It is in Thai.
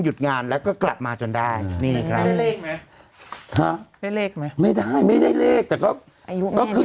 หยุดงานแล้วก็กลับมาจนได้นี่ครับได้เลขไหมไม่ได้ไม่ได้เลขแต่ก็ก็คือ